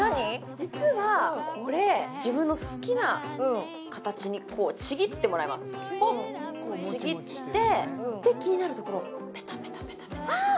実はこれ自分の好きな形にこうちぎってもらいますちぎってで気になるところぺたぺたぺたああっ！